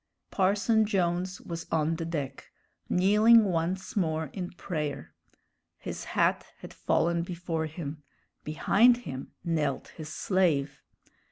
Parson Jones was on the deck, kneeling once more in prayer. His hat had fallen before him; behind him knelt his slave.